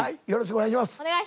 お願いします。